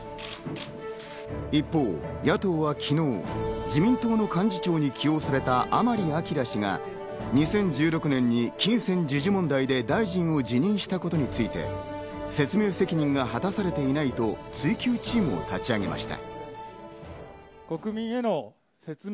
一方、野党は昨日自民党の幹事長に起用された甘利明氏が２０１６年に金銭授受問題で大臣を辞任したことについて説明責任が果たされていないと追及チームを立ち上げました。